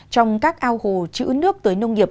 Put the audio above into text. trong các ao hồ chữ nước tới nông nghiệp